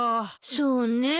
そうね。